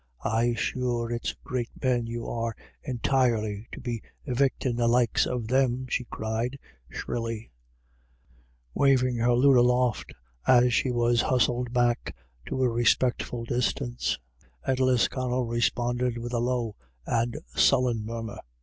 "Ay, sure it's great men you are intirely to be evictin' the likes of them," she cried shrilly, waving her loot aloft, as she was hustled back to a respect ful distance, and Lisconnel responded with a low and sullen murmur.